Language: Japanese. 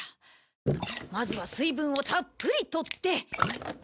まずは水分をたっぷりとって。